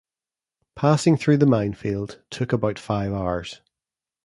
Passing through the minefield took about five hours.